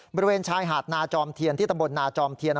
บริเวณชายหาดนาจอมเทียนที่ตำบลนาจอมเทียน